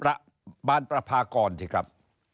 แล้วท่านผู้ชมครับ